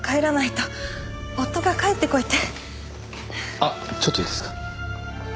あっちょっといいですか。